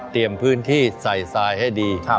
เตรียมพื้นที่ใส่สายให้ดี